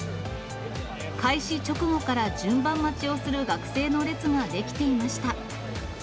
開始直後から順番待ちをする学生の列が出来ていました。